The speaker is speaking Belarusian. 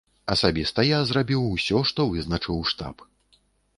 Асабіста я зрабіў усё, што вызначыў штаб.